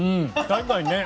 確かにね。